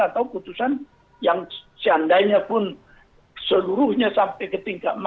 atau putusan yang seandainya pun seluruhnya sampai ke tingkat